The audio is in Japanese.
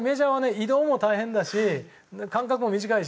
移動も大変だし間隔も短いし。